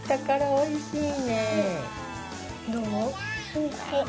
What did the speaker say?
おいしい？